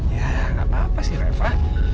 ya gapapa sih reva